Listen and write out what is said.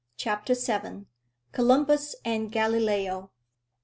CHAPTER VII. COLUMBUS AND GALILEO.